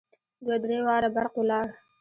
دوه درې واره برق ولاړ.